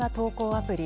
アプリ